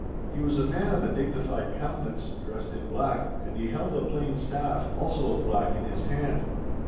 He was a man of a dignified countenance, dressed in black, and he held a plain staff, also of black, in his hand.